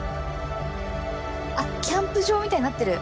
キャンプ場みたいになってる。